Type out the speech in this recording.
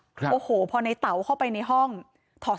มีชายแปลกหน้า๓คนผ่านมาทำทีเป็นช่วยค่างทาง